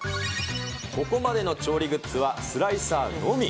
ここまでの調理グッズはスライサーのみ。